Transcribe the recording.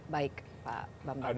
baik pak bambang